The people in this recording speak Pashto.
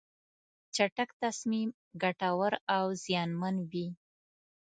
چټک تصمیم ګټور او زیانمن وي.